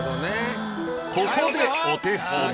ここでお手本。